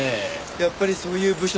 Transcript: やっぱりそういう部署ですよね